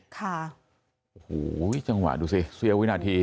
ค่ะโอ้โหจังหวะดูสิเสี้ยววินาที